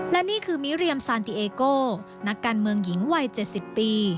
และนี่คือมิเรียมซานติเอโกนักการเมืองหญิงวัย๗๐ปี